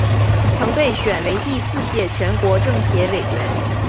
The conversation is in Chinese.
曾被选为第四届全国政协委员。